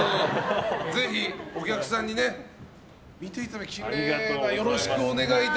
ぜひ、お客さんにね見ていただいて。